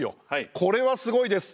これはすごいです。